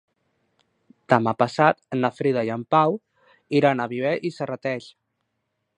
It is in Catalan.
Demà passat na Frida i en Pau iran a Viver i Serrateix.